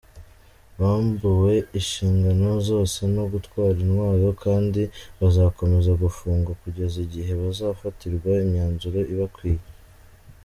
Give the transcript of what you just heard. Bambuwe inshingano zose no gutwara intwaro kandi bazakomeza gufungwa kugeza igihe bazafatirwa imyanzuro ibakwiye.